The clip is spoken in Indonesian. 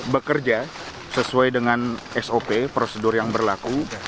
bekerja sesuai dengan sop prosedur yang berlaku